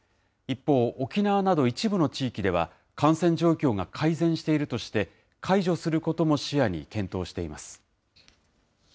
一方、沖縄など一部の地域では、感染状況が改善しているとして、解除することも視野に検討しています。